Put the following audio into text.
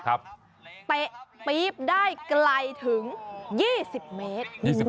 เตะปี๊บได้ไกลถึง๒๐เมตร